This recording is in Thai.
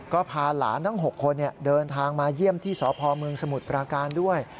ก็พาหลานทั้ง๖คนเดินทางมาเยี่ยมที่สพเมืองสมุทรปราการด้วย